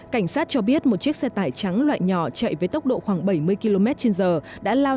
cảnh sát cho biết một chiếc xe tải trắng loại nhỏ chạy với tốc độ khoảng bảy mươi km trên giờ đã lao